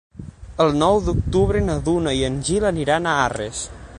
El nou d'octubre na Duna i en Gil aniran a Arres.